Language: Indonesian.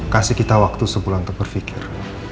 kasih kita waktu sebulan untuk berpikir